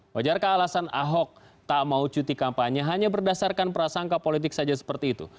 wajarkah alasan ahok tak mau cuti kampanye hanya berdasarkan prasangka politik saja seperti itu